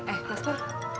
eh mas pa